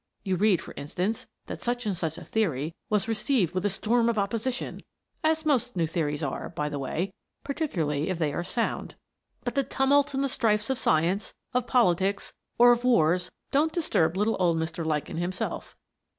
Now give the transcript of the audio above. You read, for instance, that such and such a theory "was received with a storm of opposition" (as most new theories are, by the way, particularly if they are sound). But the tumults and the strifes of science, of politics, or of wars don't disturb little old Mr. Lichen himself.